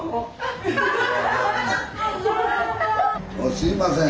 すいません